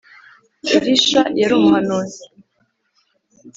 Elisha yari umuhanuzi